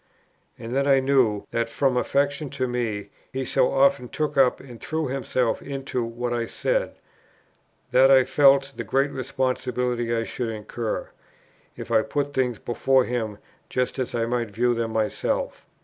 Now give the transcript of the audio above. And then I knew, that, from affection to me, he so often took up and threw himself into what I said, that I felt the great responsibility I should incur, if I put things before him just as I might view them myself.